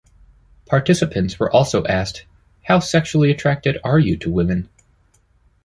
Participants were also asked How sexually attracted are you to women?